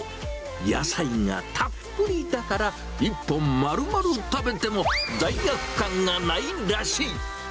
野菜がたっぷりだから、１本丸々食べても罪悪感がないらしい。